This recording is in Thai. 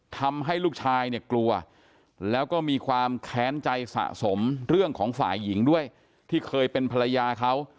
ทำให้ลูกชายเนี่ยกลัวแล้วก็มีความแค้นใจสะสมเรื่องของฝ่ายหญิงด้วยที่เคยเป็นภรรยาเขา